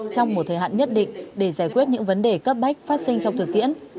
trong một thời hạn nhất định để giải quyết những vấn đề cấp bách phát sinh trong thực tiễn